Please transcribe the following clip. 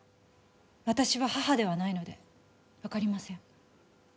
私は母ではないのでわかりません。